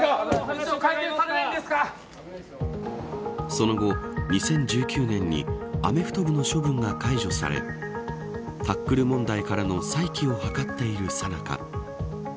その後、２０１９年にアメフト部の処分が解除されタックル問題からの再起を図っているさなか